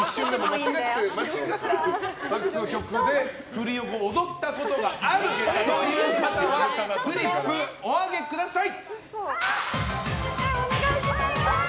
ＭＡＸの曲で振りを踊ったことがあるという方はフリップをお上げください！